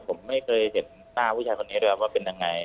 ผมไม่เคยเห็นหน้าผู้ชายคนนี้ด้วยว่าเป็นยังไง